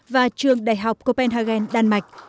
và trường đại học copenhagen đan mạch